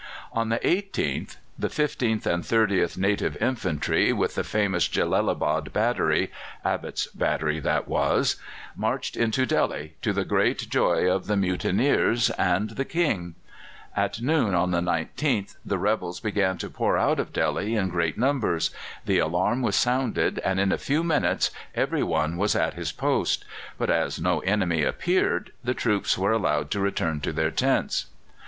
On the 18th, the 15th and 30th Native Infantry, with the famous Jellalabad battery Abbott's battery that was marched into Delhi, to the great joy of the mutineers and the King. At noon on the 19th the rebels began to pour out of Delhi in great numbers. The alarm was sounded, and in a few minutes every one was at his post; but as no enemy appeared, the troops were allowed to return to their tents.